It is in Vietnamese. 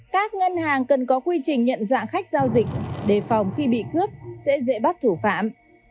các ngân hàng cần có quy trình nhận dạng khách giao dịch đề phòng khi bị cướp sẽ dễ bắt thủ phạm